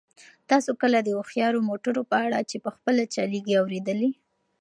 تاسو کله د هوښیارو موټرو په اړه چې په خپله چلیږي اورېدلي؟